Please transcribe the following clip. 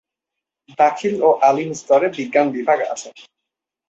দাখিল ও আলিম স্তরে বিজ্ঞান বিভাগ আছে।